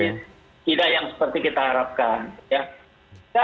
jadi tidak yang seperti kita harapkan ya